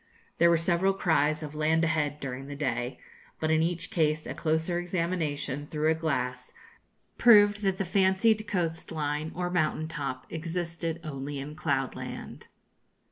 There were several cries of 'land ahead' during the day, but in each case a closer examination, through a glass, proved that the fancied coast line or mountain top existed only in cloud land.